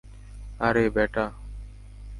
আরে, ব্যাটা।